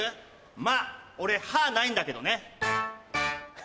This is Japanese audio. まっ俺歯ないんだけどね。